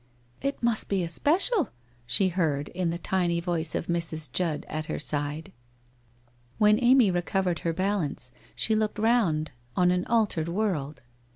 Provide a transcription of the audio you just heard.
' It must be a special !' she heard, in the tiny voice of Mrs. Judd at her side. When Amy recovered her balance, she looked round on an altered world.